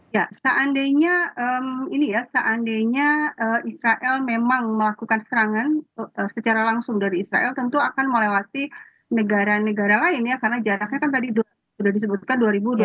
ya seandainya ini ya seandainya israel memang melakukan serangan secara langsung dari israel tentu akan melewati negara negara lain ya karena jaraknya kan tadi sudah disebutkan dua ribu dua puluh